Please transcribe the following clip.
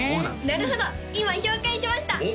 なるほど今氷解しました！